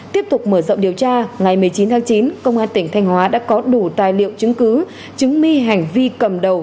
tiếp tục mở rộng điều tra ngày một mươi chín tháng chín công an tỉnh thanh hóa đã có đủ tài liệu chứng cứ chứng minh hành vi cầm đầu